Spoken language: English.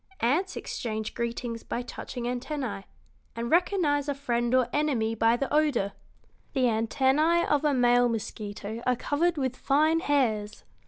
Ants exchange greetings by touching antennæ, and recognize a friend or an enemy by the odor. The antennæ of a male mosquito are covered with fine hairs.